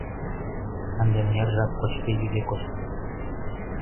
Ынде мыняр жап кочде-йӱде коштыт.